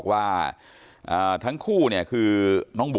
ไม่ตั้งใจครับ